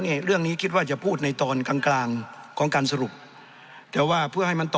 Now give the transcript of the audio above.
เรื่องนี้คิดว่าจะพูดในตอนกลางของการสรุปแต่ว่าเพื่อให้มันต่อ